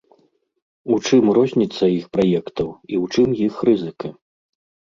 У чым розніца іх праектаў і ў чым іх рызыка?